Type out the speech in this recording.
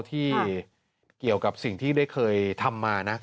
ที่เกี่ยวกับสิ่งที่ได้เคยทำมานะ